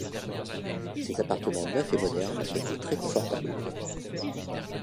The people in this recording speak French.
Ces appartements neufs et modernes étaient très confortables.